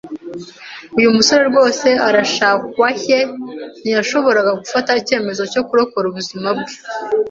Uyu musore rwose arashaka-washy. Ntiyashoboraga gufata icyemezo cyo kurokora ubuzima bwe.